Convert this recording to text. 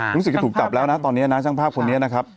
รู้สึกจะถูกจับแล้วนะตอนนี้นะช่างภาพคนนี้นะครับ